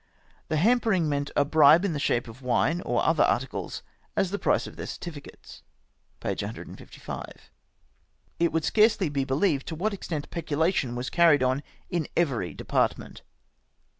The ' hampering ' meant a bribe in the shape of wine or other articles, as the price of their certificates." — (p. 155.) "It would scarcely be believed to what extent peculation was carried on in every department."